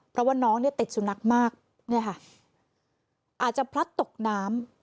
เพราะว่าน้องเนี่ยติดสุนัขมากเนี่ยค่ะอาจจะพลัดตกน้ำ